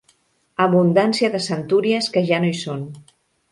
Abundància de centúries que ja no hi són.